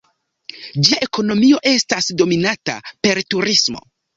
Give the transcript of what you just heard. Ĝia ekonomio estas dominata per turismo.